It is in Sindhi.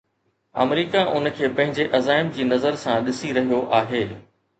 آمريڪا ان کي پنهنجي عزائم جي نظر سان ڏسي رهيو آهي.